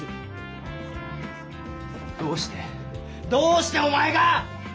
どうしてどうしておまえが！